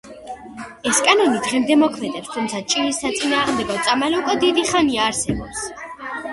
ეს კანონი დღემდე მოქმედებს, თუმცა ჭიის საწინააღმდეგო წამალი უკვე დიდი ხანია არსებობს.